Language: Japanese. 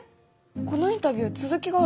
このインタビュー続きがある。